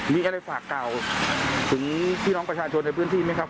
มีอะไรฝากกล่าวถึงพี่น้องประชาชนในพื้นที่ไหมครับ